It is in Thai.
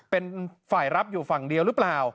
เป็นฝ่ายรับอยู่ฝั่งเดียวหรือเปล่า